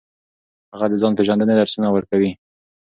هغه د ځان پیژندنې درسونه ورکوي.